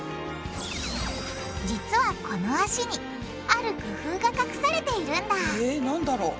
実はこの足にある工夫が隠されているんだえなんだろう？